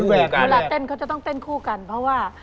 เวลาเต้นเขาจะต้องเต้นคู่กันเพราะว่า